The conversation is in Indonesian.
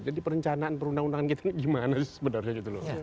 jadi perencanaan perundang undangan kita gimana sebenarnya gitu loh